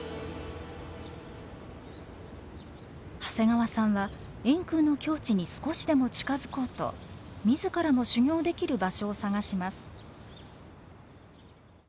長谷川さんは円空の境地に少しでも近づこうと自らも修行できる場所を探します。